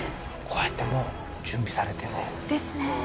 こうやってもう準備されてね。ですね。